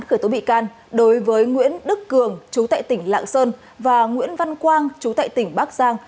khởi tố bị can đối với nguyễn đức cường chú tại tỉnh lạng sơn và nguyễn văn quang chú tại tỉnh bắc giang